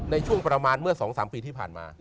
ในช่วงประมาณเมื่อ๒๓ปีที่ผ่านมา